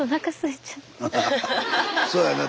そうやな